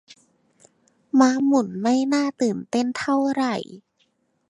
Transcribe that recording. ม้าหมุนไม่น่าตื่นเต้นเท่าไหร่